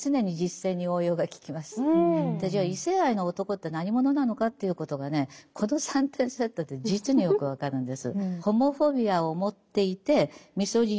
じゃあ異性愛の男って何者なのかということがねこの三点セットで実によく分かるんです。